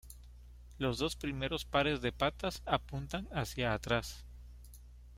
Los dos primeros pares de patas apuntan hacia atrás.